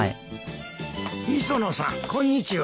磯野さんこんにちは。